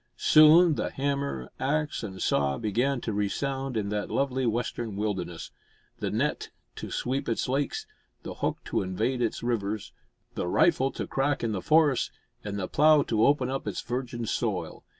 Soon the hammer, axe, and saw began to resound in that lovely western wilderness; the net to sweep its lakes; the hook to invade its rivers; the rifle to crack in the forests, and the plough to open up its virgin soil.